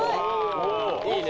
いいね。